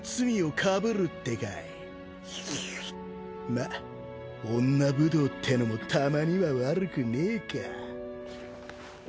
まっ女武道ってのもたまには悪くねえか。